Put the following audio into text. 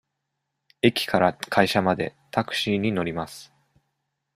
駅から会社までタクシーに乗ります。